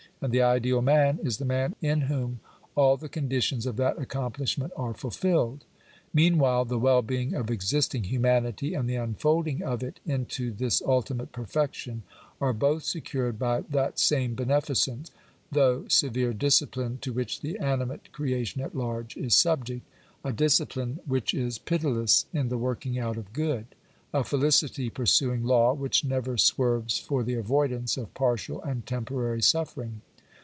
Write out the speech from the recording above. And the ideal man is the man in whom all the conditions of that accomplishment are fulfilled. Meanwhile the well being of existing humanity, and the unfolding of it into this ultimate perfection, are both secured by that same beneficent, though severe discipline, to which the animate creation at large is subject : a discipline which is pitiless in Digitized by VjOOQIC POOR LAWS. 823 the working out of good : a felicity pursuing law which never swerves for the avoidance of partial and temporary suffering.